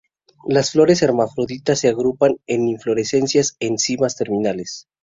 Las flores hermafroditas se agrupan en inflorescencias en cimas terminales.